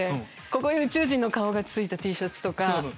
ここに宇宙人の顔がついたＴシャツとか。